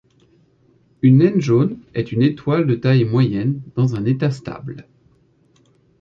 Une naine jaune est une étoile de taille moyenne dans un état stable.